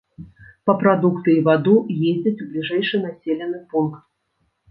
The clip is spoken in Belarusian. Па прадукты і ваду ездзяць у бліжэйшы населены пункт.